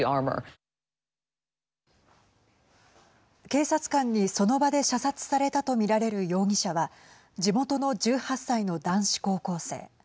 警察官に、その場で射殺されたとみられる容疑者は地元の１８歳の男子高校生。